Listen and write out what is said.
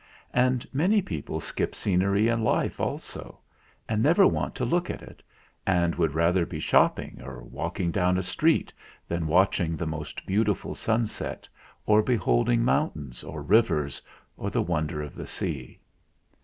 And many people skip scenery in life also, and never want to look at it, and would rather be shopping or walking down a street than watching the most beautiful sunset or beholding mountains or rivers or the wonder of the sea.